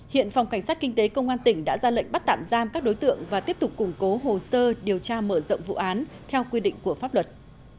hiện phòng cảnh sát kinh tế công an tỉnh đã ra lệnh bắt tạm giam các đối tượng và tiếp tục củng cố hồ sơ điều tra mở rộng vụ án theo quy định của pháp luật